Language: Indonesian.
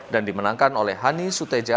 dan dimenangkan oleh hani sutradjian